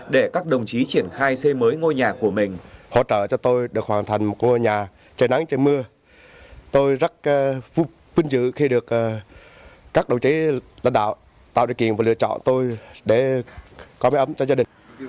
để các đồng chí triển khai xây mới ngôi nhà của mình